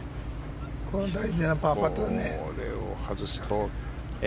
大事なパーパットだね。